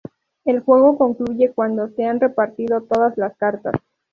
El juego concluye cuando se han repartido todas las cartas.